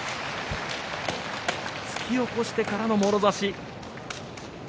突き起こしてからのもろ差し。